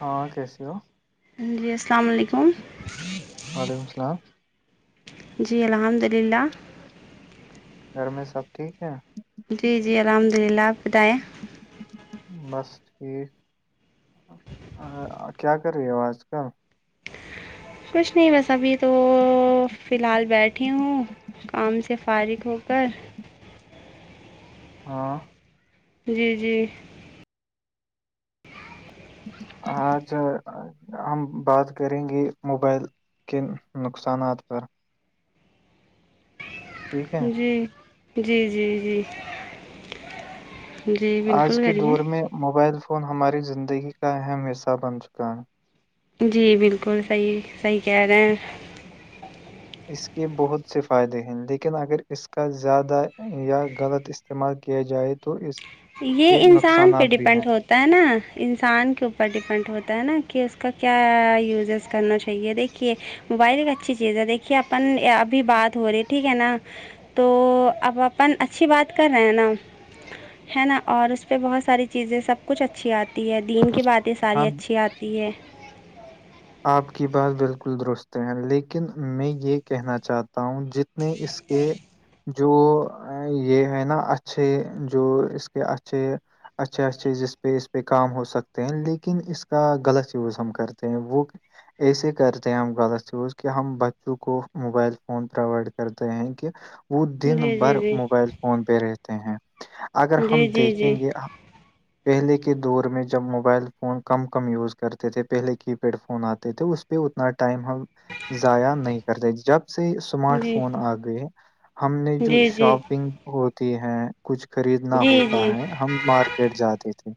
ہاں کیسی ہو جی السلام علیکم وعلیکم السلام جی الحمد للہ گھر میں سب ٹھیک ہے جی جی الحمد للہ آپ بتائیں بس ٹھیک کیا کر رہے ہو آج کل کچھ نہیں بس ابھی تو فی الحال بیٹھی ہوں کام سے فارغ ہو کر ہاں جی جی ہاںھ ہم بات کریں گے موبائل کے نقصانات پر ٹھیک ہے جی جی جی جی جی آج بالکل کے کریے دور میں موبائل فون ہماری زندگی کا اہم حصہ بن چکا ہے جی بالکل صحیح صحیح کہہ رہے ہیں اس کے بہت سے فائدے ہیں لیکن اگر اس کا زیادہ یا غلط استعمال کیا جائے تو اس یہ کے انسان پہ نقصانات بھی ہیں ڈیپینڈ ہوتا ہوتا ہے نا انسان کے اوپر ڈپینڈ ہوتا ہے نا کہ اس کا کیا یوزز کرنا چاہیے دیکھیے موبائل ایک اچھی چیز ہے دیکھیے اپن ابھی بات ہو رہی ہے ٹھیک ہے نا تو اب اپن اچھی بات کر رہے ہیں نا ہے نا اور اس پہ بہت ساری چیزیں سب کچھ اچھی آتی ہے دین کی باتیں ساری ہم اچھی آ تی ہے آپ کی بات بالکل درست ہے لیکن میں یہ کہنا چاہتا ہوں ج نے اس کے جو یہ ہے نا اچھے جو اس کے اچھے اچھے اچھے جس پہ اس پہ کام ہو سکتے ہیں لیکن اس کا غلط یوز ہم کرتے ہیں وہ ایسے کرتے ہیں ہم غلط یوز کہ ہم بچوں کو موبائل فون پرووائڈ کرتے ہیں کہ وہ دن جی بھر جی جی موبائل فون پہ رہتے ہیں اگر ہم جی جی دیکھیں جی گے پہلے کے دور میں جب موبائل فون کم کم یوز کرتے تھے پہلے کی پیڈ فون آتے تھے اس پہ اتنا ٹائم ہم ضائع نہیں کرتے جب سے اسمارٹ جی فون آ گئے ہم نے جو جی جی شاپنگ ہوتی ہے کچھ خریدنا جی ہوتا ہے ہم مارکیٹ جاتے تھے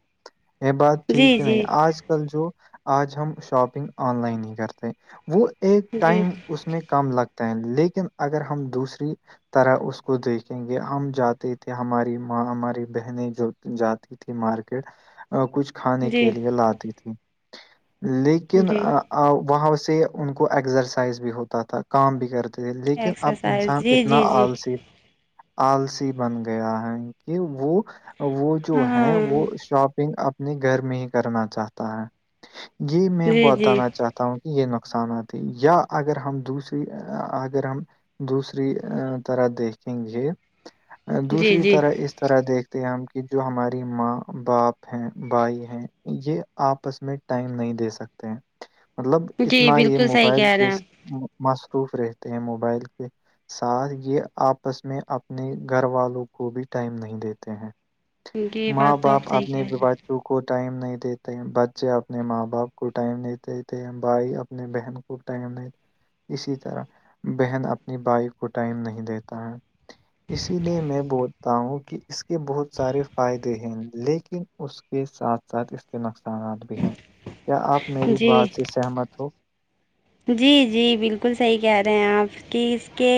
یہ بات ٹھیک جی جی نہیں آج کل جو آج ہم شاپ شاپنگ ان لائن نہیں کرتے وہ ایک جی جی ٹائم اس میں کام لگ لیکن اگر ہم دوسری طرح اس کو دیکھیں گے ہم جاتے تھے ہماری ماں ہماری بہنیں جو جاتی تھی مارکیٹ کچھ کھانے جی کے لیے لاتی تھی لیکن جی وہاں سے ان کو ایکزرسائز بھی ہوتا تھا کام بھی کرتا تھے لیکن اب ایکسرسائز انسان جی اتنا جی جی آلسی آلسی بن گیا ہے کہ وہ وہ جو ہے ہاں وہ شاپنگ اپ اپنے گھر میں ہی کرنا چاہتا ہے یہ میں جی جی بتانا چاہتا ہوں کہ یہ نقصاناتتی ہے یا اگر ہم دوسری اگر ہم دوسری طرح دیکھیں گے جی دوسری جی طرح اس طرح دیکھتے ہیں ہم کی جو ہماری ماں باپ ہیں بھائی ہیں یہ آپس میں ٹائم نہیں دے سکتے ہیں مطلب جی اتنا یہ بالکل صحیح موبائل کہہ رہے کے ہیں آپ مصروف رہتے ہیں موبائل کے ساتھ یہ آپس میں اپنے گھر والوں کو بھی ٹائم نہیں دیتے ہیں جی ماں بات تو باپ آپ صحیح اپنے کہہ رہے بچوں کو ٹائم نہیں دیتے بچے اپنے ماں باپ کو ٹائم نہیں دیتے ہیں بھائی اپنے بہن کو ٹائم نہیں اسی طرح بہن اپنی بھائی کو ٹائم نہیں دیتا ہے اسی لیے میں بولتا ہوں کہ اس کے بہت سارے فائدے ہیں لیکن اس کے ساتھ ساتھ اس کے نقصانات بھی ہیں کیا آپ ہیں میری جی بات سے سہمت ہو جی جی بالکل صحیح کہہ رہے ہیں آپ کہ اس کے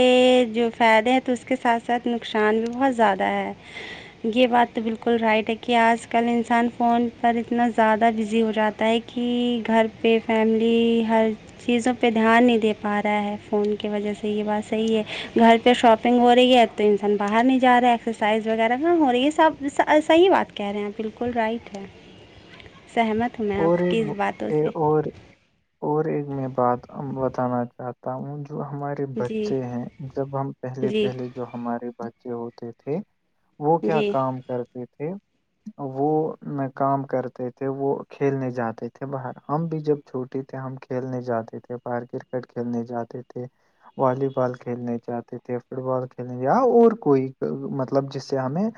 جو فائدے ہیں تو اس کے ساتھ ساتھ نقصان بھی بہت زیادہ ہے یہ بات تو بالکل رائٹ ہے کہ آج کل انسان فون پر اتنا زیادہ بزی ہو جاتا ہوتا ہے کہ گھر پہ فیملی ہر چیزوں پہ دھیان نہیں دے پا رہا ہے فون کی وجہ سے یہ بات صحیح ہے گھر پہ شاپنگ ہو رہی ہے تو انسان باہر نہیں جا رہا ہے ایکسرسائز وغیرہ ہو رہی ہے سب صحیح بات کہہ رہے ہیں آپ بالکل رائٹ ہے سہمت ہوں میں اور آپ کی اس باتوں ایک سے اور اور ایک میں بات بتانا چاہتا ہوں جو ہمارے جی بچے ہیں جب ہم پہلے جی پہلے جو ہمارے بچے ہوتے تھے وہ کیا جی کام کرتے تھے وہ کام کرتے تھے وہ کھیلنے جاتے تھے باہر ہم بھی جب چھوٹے تھے ہم کھیلنے جاتے تھے باہر کرکٹ کھیلنے جاتے تھے والی بال کھیلنے جاہتے تھے فٹ بال کھیلنے یا اور کوئی مطلب جس سے ہمیں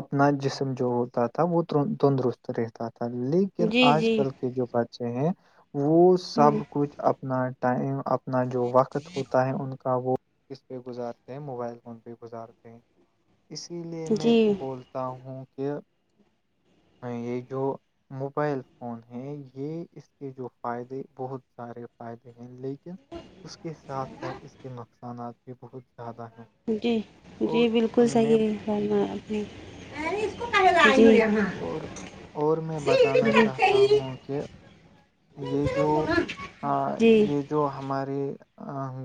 اپنا جسم جو ہوتا تھا وہ تندرست رہتا تھا لیکن جی آج جی کل کے جو بچے ہیں وہ ہوں سب کچھ اپنا ٹائم اپنا جو وقت ہوتا ہے ان کا وہ کس پہ گزارتے ہیں موبائل فون پہ گزارتے ہیں اسی لیے میں جی بول تا ہوں کہ یہ جو موبائل فون ہے یہ اس کے جو فائدے بہت سارے فائدے ہیں لیکن لیکن اس کے ساتھ ساتھ اس کے نقصانات بھی بہت زیادہ ہیں جی اور جی بالکل میں صحیح ہے جی اور اور میں سیڑھی پہ بتانا رکھتے چاہتا ہی ہوں کہ میں یہ ایسے جو رکھ دو نا جی یہ جو ہمارے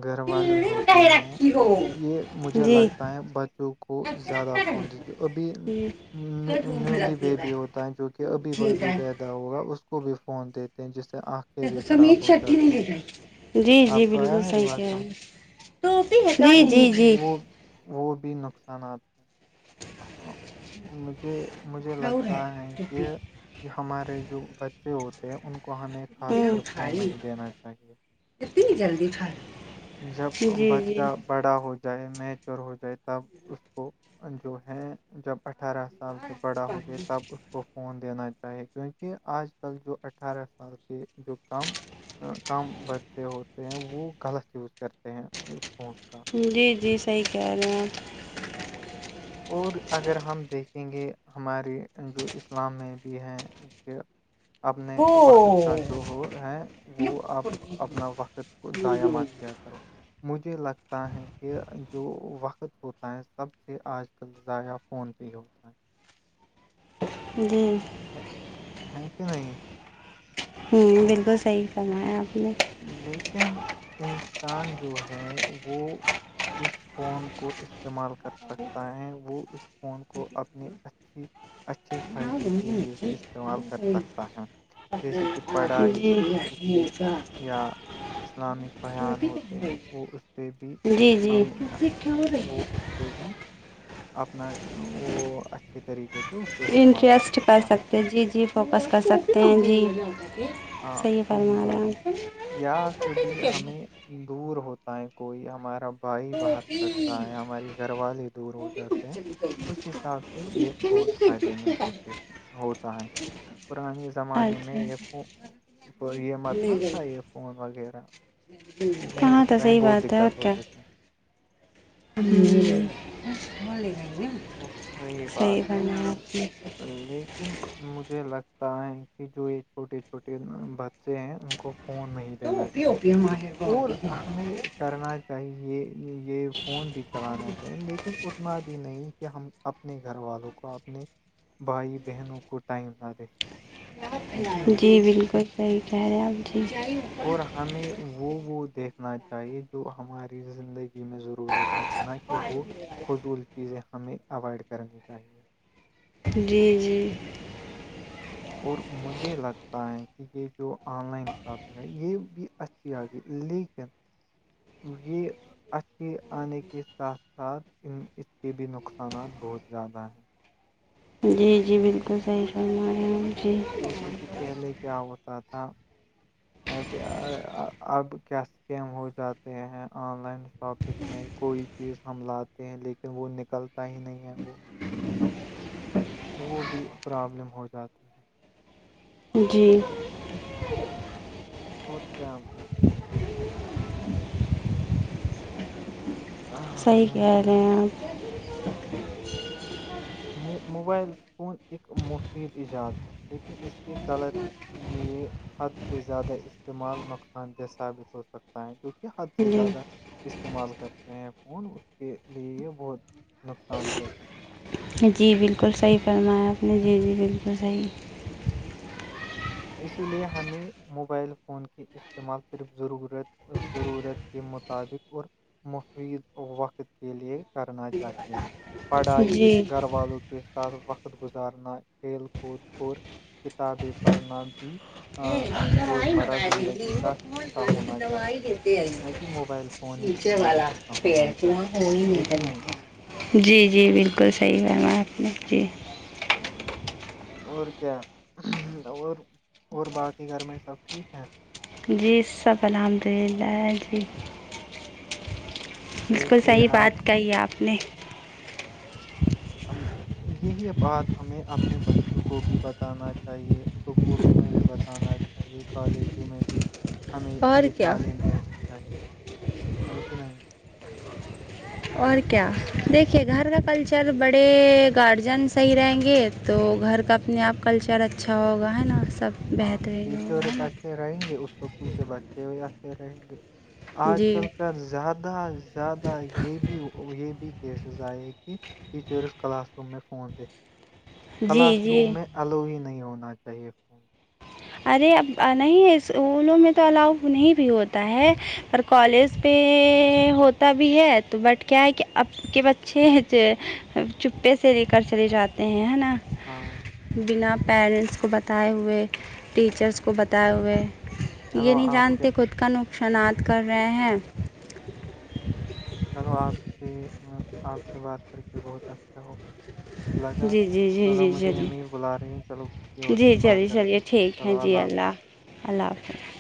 گھر والے سیڑھی پہ ہوتے کہیں ہیں رکھی ہو یہ مجھے جی لگتا ہے بچوں کو ایسے زیادہ رکھا فون رہے ابھی جی یہ دھوپ میں نیولی لگ گئی بیبی ہوتا ہے جو کہ ابھی وہب ٹھیک ہے بی [unintelligible] ہوگا اس کو بھی فون دیتے ہیں جسے آکھ س ش جی جی آپ کو آیا بالکل میری صحیح بات کیا سمجھ ہے [unintelligible] تو جی جی جی وہ وہ بھی نقصانات ہیں مجھے مجھے اور لگتا ہے کہ ٹوپی یہ ہمارے جو بچے ہوتے ہیں ان کو ہمیں خاص کر فون نہیں دینا چاہیے جتنی جلدی فر [unintelligible] جب بچہ بڑا ہو جائے میچور ہو جائے تب اس کو جو ہے جب اٹھارہ سال سے بڑا ہو جائے پانی تب اس کو فون دینا چاہی کیونک کیکہ آج کل جو اٹھارہ سال کے جو کام کم بچے ہوتے ہیں وہ غلط یوز کرتے ہیں اس فون کا جی جی صحیح کہہ رہے ہیں آپ اور اگر ہم دیکھیں گے ہمارے جو اسلام میں بھی ہیں کہ اپنے آپ وقت کا او جو ہو ہے وہ یہ پکڑ آپ اپنا گئی وقت کو ضائع مت کیا مجھے لگتا ہے کہ جو وقت ہوتا ہے سب سے آج ل ضائع فون پہ ہی ہوتا ہے [inaudible] جی ہیں کہ نہیں [inaudible] ہوں بالکل صحیح کرما ہے آپ نے لیکن انسان جو ہے وہ اس فون کو استعمال کر سکتا ہے وہ اس فون کو اپنی جی اچھا اچھے فائدے کے لیے بھی استعمال کر سکتا ہیں جیسے کہ پڑھائی اس ٹھیک پہ س [unintelligible] یا [inaudible] اسلامک بیان ہوتے ہیں وہ اس سے بھی جی جی ہم وہ اس پہ بھی اپنا وہ اچھی طریقے سے کو استعمال انٹرسٹ کر سکتا ہے سکتے جی جی فوکس کر سکتے ہیں جی ہاں صحیح وہی فرما بات رہام یا کبھی ہمیں دور ہوتا ہے کوئی ہمارا بائی باہر پڑتا ہے ہماراری گھر والے ہی دور ہو جاتے ہیں اس حساب سے یہ بہت فائدے مند ہوتے تھے ہوتا ہے پرانے آپ زمانے میں اچھا یہ ف یہ متنا تھا یہ فون وغیرہ [unintelligible] کہاں اس تو ٹائم صحیح بہت بات ہے دقت اور کیا ہوتی تھی وہی صی بات ہے بناپ [unintelligible] لیکن مجھے لگتا ہے کہ جو یہ چوٹی چھوٹی بچے ہیں [unintelligible] فون نہیں تو بھی او بھیاہ گی ہی [unintelligible] ہم کرنا چاہیے یہ فون بھی ہ چلانا چاہیے [unintelligible] لیکن اتنا بھی نہیں کہ ہم اپنے گھر گھر والوں کو آپ نے بھائی بہنوں کو ٹائم نہ دے سکیں ہے کہ نہیں جی بالکل صحیح کہہ رہے ہیں آپ جی اور ہمیں وہ وہ دیکھنا چاہیے جو ہماری زندگی ج میں ضرورت لگے نہ کہ وہ فضول چیزیں ہمیں اوائڈ کرنی چاہیے جی جی اور مجھے لگتا ہے کہ یہ جو آن لائن شاپنگ ہے یہ بھی اچ آ گئی لیکن یہ اچھھی آنے کے ساتھ ساتھ ان اس کے بھی نقصانات بہت زیادہ ہیں جی جی ج- بالکل صحیح کرم رہے ہ جی جیسے کہ پہلے کیا ہوتا تھا اب کیا اسکیم ہو جاتے ہیں آن لائن شاپ کوئی چیز ہم لاتے ہیں لیکن وہ نکلتا ہی نہیں ہے وہ وہ بھی پرابلم ہو جاتی ہے جی اور کیا [inaudible] ہاں صحیح کہہ رہے ہیں آپ مو موبائل فون ایک مفید ایجاد ہے لیکن اس کی غلط یہ حد سے زیادہ استعمال نقصان دہ ثابت ہو سکتا ہے جوک حد سے جی زیادہ استعمال کرتے ہیں فون اس کے لیے بہت نقصان دہ ہیں جی بالکل صحیح فرمایا آپ نے جی جی بالکل صحیح اسی لیے ہمیں موبائل فون کی استعمال صرف ضرورت ضرورت کے مطابق اور مفید وقت کے لیے کرنا چاہیے پڑھائی جی گھر والوں کے ساتھ وقت گزارنا کھیل کود اورور کتابیں پر نا بھی روزمرہ زندگی کا حصہ ہونا چاہیے آے نہ کہ موبائل فون ہی ہمارا حصہ پیڑ ہونا کی وہاں چاہیے خون ہی ہے کہ نہیں نکلتا ہے جی جی بالکل صحیح ہےم آپ نے جی اور کیا اور اور باقی گھر میں سب ٹھیک ہیں جی سب الحمد للہ جی بالکل ویسے صحیح آپ بات کہی ہے آپ نے یہی بات ہمیں اپنے بچوں کو بھی بتانا چاہیے اسکولوں میں بھی بتانا چاہیے کالجوں میں بھی ہمیں اور یہ کیا تعلیم دینی چاہیے نہیں کہ نہیں اور کیا دیکھیے گھر کا کلچر بڑے گارجن صحیح رہیں گے تو گھر کا اپنے آپ کلچر اچھا ہوگا ہے نا سب ہاں بہترین ہوگا ہے ٹیچرس نا اچھے رہیں گے اس اسکول کے بچے بھی اچھے رہیں گے آج جی کل کا زیادہ زیادہ زیادہ یہ بھی یہ بھی کیسز آئے کہ ٹیچرس کلاس روم میں فون د کلاس جی جی روم میں اللو ہی نہیں ہونا چاہیے فون ارے اب نہیں اسکولوں میں تو الاؤ نہیں بھی ہوتا ہے پر کالج پہ ہوتا بھی ہے تو بٹ کیا ہے کہ اب کے بچے چپے سے لے کر چلے جاتے ہیں نا ہاں بنا پیرنٹس کو بتائے ہوئے ٹیچرس کو بتائے ہوئے یہ چلو نہیں آپ کے جانتے خود کا نقصانات کر رہے ہیں چلو آپ سے آپ سے بات کر کے بہت اچھا ہو لگا جی جی جی چلو جی مجھے ایم چلیے ای بلا رہی ہیں چلو کسی اور جی دن بات چلیے کرتے چلیے ہیں ٹھیک ہے چلو جی حافظ اللہ اللہ حافظ